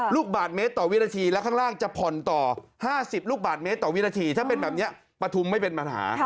ลูกบาทเมตรต่อวินาทีแล้วข้างล่างจะผ่อนต่อ๕๐ลูกบาทเมตรต่อวินาทีถ้าเป็นแบบนี้ปฐุมไม่เป็นปัญหา